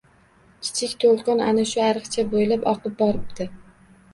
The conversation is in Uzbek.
Kichik to‘lqin ana shu ariqcha bo‘ylab oqib boribdi